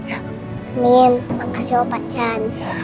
amin makasih om pachan